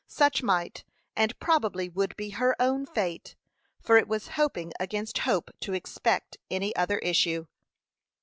Such might, and probably would be her own fate, for it was hoping against hope to expect any other issue.